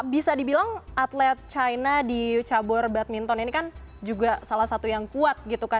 bisa dibilang atlet china di cabur badminton ini kan juga salah satu yang kuat gitu kan